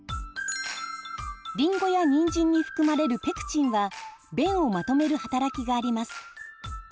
りんごやにんじんに含まれるペクチンは便をまとめる働きがあります。